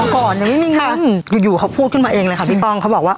ก่อนยังไม่มีเงินอยู่เขาพูดขึ้นมาเองเลยค่ะพี่ป้องเขาบอกว่า